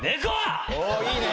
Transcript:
おいいね！